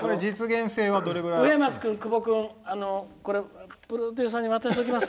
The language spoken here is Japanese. うえまつ君、くぼ君プロデューサーに渡しておきます。